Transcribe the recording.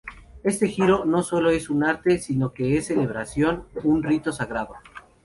Este giro, no solo es un arte, sino que es celebración, un rito sagrado.